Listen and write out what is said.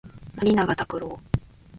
森永卓郎